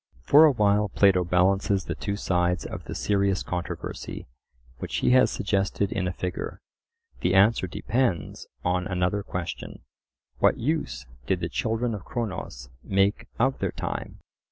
For a while Plato balances the two sides of the serious controversy, which he has suggested in a figure. The answer depends on another question: What use did the children of Cronos make of their time?